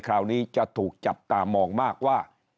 คราวนี้จะถูกจับตามองมากว่า